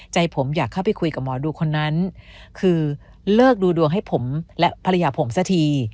ใจผมอยากเข้าไปคุยกับหมอดูคนนั้นคือเลิกดูดวงให้ผมและภรรยาผมสักที